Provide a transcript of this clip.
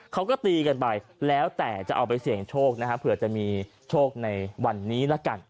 เขาก็ตีกันไปแล้วแต่จะเอาไปเสี่ยงโชคนะฮะเผื่อจะมีโชคในวันนี้ละกัน